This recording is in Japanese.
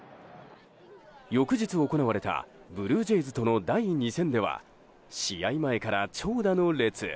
翌日行われたブルージェイズとの第２戦では試合前から長蛇の列。